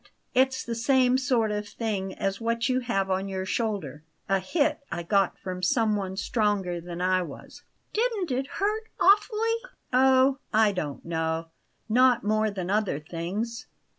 It's the same sort of thing as what you have on your shoulder a hit I got from someone stronger than I was." "Didn't it hurt awfully?" "Oh, I don't know not more than other things.